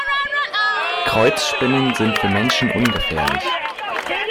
Kreuzspinnen sind für Menschen ungefährlich.